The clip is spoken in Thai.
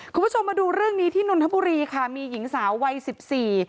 คุณผู้ชมมาดูเรื่องนี้ที่นนทบุรีค่ะมีหญิงสาววัยสิบสี่